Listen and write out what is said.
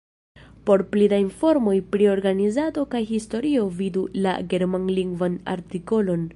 Por pli da informoj pri organizado kaj historio vidu la germanlingvan artikolon.